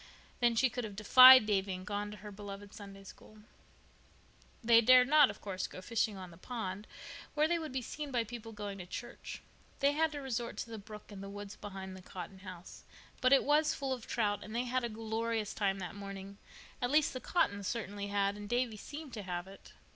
Then she could have defied Davy, and gone to her beloved Sunday School. They dared not, of course, go fishing on the pond, where they would be seen by people going to church. They had to resort to the brook in the woods behind the Cotton house. But it was full of trout, and they had a glorious time that morning—at least the Cottons certainly had, and Davy seemed to have it.